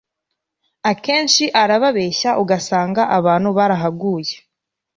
akenshi arababeshya ugasanga abantu barahaguye